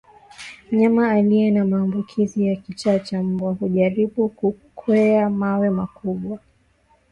Mnyama aliye na maambukizi ya kichaa cha mbwa hujaribu kukwea mawe makubwa